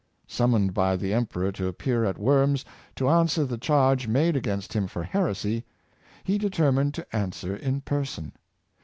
Summoned by the emperor to appear at Worms, to answer the charge made against him for heres}^, he determined to answer in person.